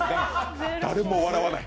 誰も笑わない。